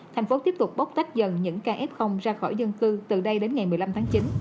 thành phố tiếp tục bóc tách dần những ca f ra khỏi dân cư từ đây đến ngày một mươi năm tháng chín